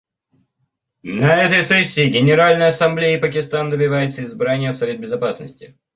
На этой сессии Генеральной Ассамблеи Пакистан добивается избрания в Совет Безопасности.